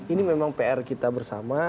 ini memang pr kita bersama